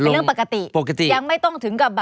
เป็นเรื่องปกติยังไม่ต้องถึงกับ